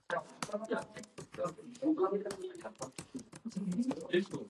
During the inter-war period, he commanded the Submarine Base at Coco Solo, Canal Zone.